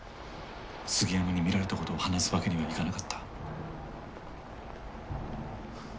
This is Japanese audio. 杉山に見られたことを話すわけにはいかなかった。